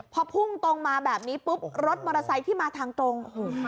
พอพุ่งตรงมาแบบนี้ปุ๊บรถมอเตอร์ไซค์ที่มาทางตรงโอ้โห